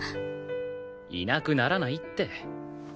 いなくならないって。